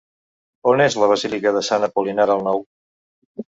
On és la basílica de Sant Apol·linar el Nou?